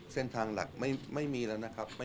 เส้นทางหลักไม่มีแล้วนะครับ